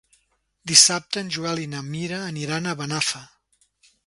Dissabte en Joel i na Mira aniran a Benafer.